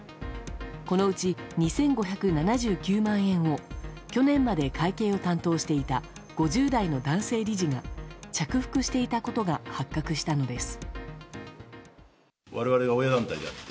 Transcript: このうち２５７９万円を去年まで会計を担当していた５０代の男性理事が着服していたことが発覚したのです。